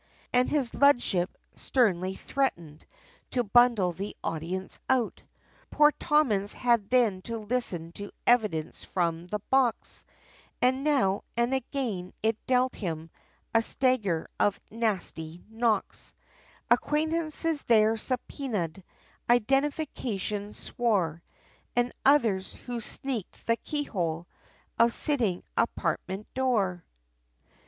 And his Ludship sternly threatened, to bundle the audience out, Poor Tommins had then to listen to evidence from the box, And now, and again, it dealt him, a stagger of nasty knocks; Acquaintances there subpoenad, identification swore, And others, who sneaked the keyhole, of sitting apartment door.